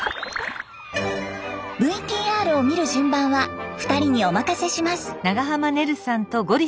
ＶＴＲを見る順番は２人にお任せします。